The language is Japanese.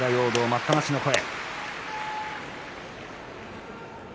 待ったなしの声。